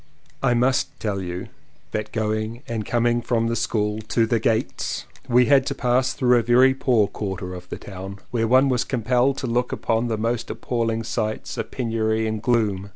I must tell you that going and com ing from the school to "The Gates" we had to pass through a very poor quarter of the town, where one was compelled to look upon the most appalling sights of penury and gloom.